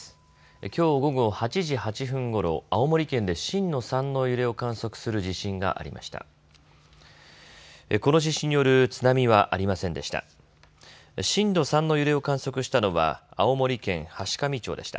きょう午後８時８分ごろ青森県で震度３の揺れを観測する地震がありました。